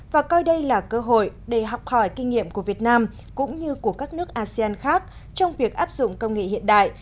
và coi đây là cơ hội để học hỏi kinh nghiệm của việt nam cũng như của các nước asean khác trong việc áp dụng công nghệ hiện đại